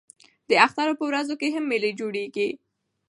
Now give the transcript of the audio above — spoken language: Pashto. د اخترونو په ورځو کښي هم مېلې جوړېږي.